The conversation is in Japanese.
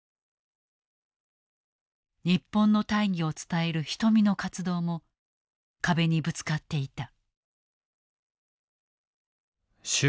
日本の大義を伝える人見の活動も壁にぶつかっていた。